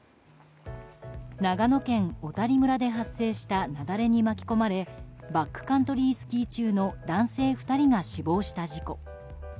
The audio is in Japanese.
長野県小谷村で発生した雪崩に巻き込まれバックカントリースキー中の男性２人が死亡した事故。